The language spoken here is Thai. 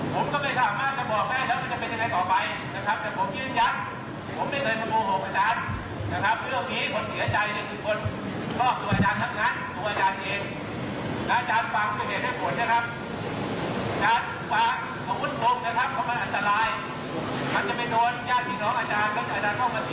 ผมก็ไม่สามารถจะบอกได้แล้วว่าจะเป็นอะไรต่อไปนะครับแต่ผมยืนยังผมไม่เคยขโมโหกอาจารย์นะครับเรื่องนี้คนเสียใจก็คือคนลอกตัวอาจารย์ทั้งนั้นตัวอาจารย์เองและอาจารย์ฟังเสียเผ็ดให้ผลนะครับอาจารย์ศูนย์ฟ้าของอุ้นศูนย์นะครับเขามาอันตรายมันจะไปโดนญาติพี่น้องอาจารย์และอาจารย์ของอาจ